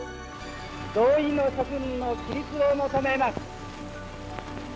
同意の諸君の起立を求めます。